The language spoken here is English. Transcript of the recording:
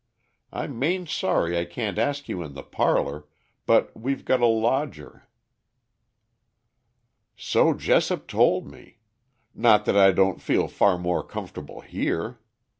I'm main sorry I can't ask you in the parlor, but we've got a lodger." "So Jessop told me. Not that I don't feel far more comfortable here.